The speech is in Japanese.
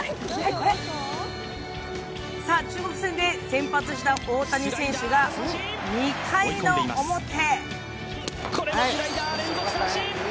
中国戦で先発した大谷選手が２回の表。